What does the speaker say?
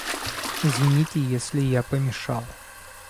Извините, если я помешал.